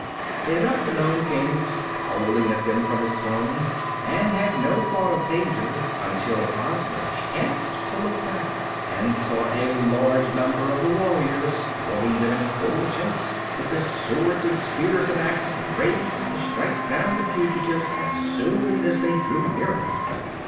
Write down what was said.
They left the Nome King scowling at them from his throne, and had no thought of danger until Ozma chanced to look back and saw a large number of the warriors following them in full chase, with their swords and spears and axes raised to strike down the fugitives as soon as they drew near enough.